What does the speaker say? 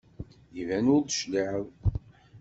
Iban ur d-tecliɛeḍ.